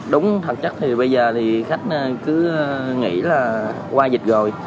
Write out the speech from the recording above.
đúng thật chắc bây giờ khách cứ nghĩ là qua dịch rồi